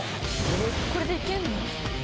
これでいけるの？